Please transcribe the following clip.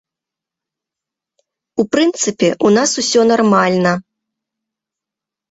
У прынцыпе, у нас усё нармальна.